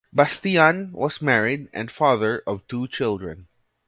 Bastiaan was married and father of two children.